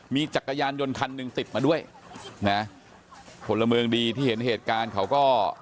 มีจักรยานยนต์คันหนึ่งติดมาด้วยนะพลเมืองดีที่เห็นเหตุการณ์เขาก็